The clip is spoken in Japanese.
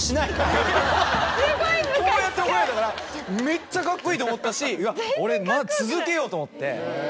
こうやって怒られたからめっちゃカッコいいと思ったし俺続けようと思って。